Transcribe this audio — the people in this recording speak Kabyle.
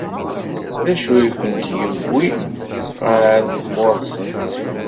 D acu i kent-yewwin ɣer ɣur-sent?